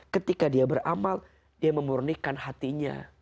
ketika dia beramal dia memurnikan hatinya